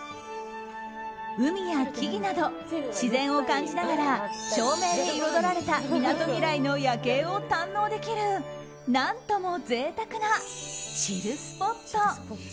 海や木々など自然を感じながら照明で彩られたみなとみらいの夜景を堪能できる何とも贅沢なチルスポット。